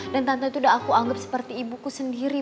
dan tante itu udah aku anggap seperti ibuku sendiri